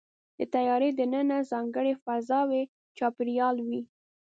د طیارې دننه ځانګړی فضاوي چاپېریال وي.